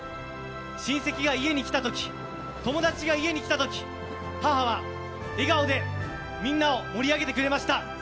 親戚が家に来た時友達が家に来た時母は笑顔でみんなを盛り上げてくれました。